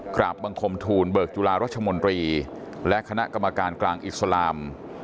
กราบบังคมทูลเบิกจุฬารัชมนตรีและคณะกรรมการกลางอิสลาม